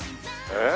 え？